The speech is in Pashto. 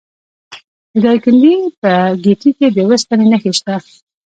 د دایکنډي په ګیتي کې د وسپنې نښې شته.